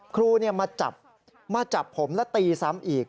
ครูมาจับผมแล้วตีซ้ำอีก